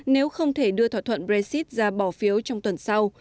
nếu không thể đưa thỏa thuận brexit ra bỏ phiếu trong tuần sau